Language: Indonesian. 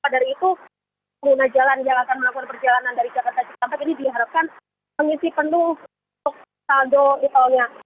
dari itu pengguna jalan yang akan melakukan perjalanan dari jakarta cikampek ini diharapkan mengisi penuh saldo e tolnya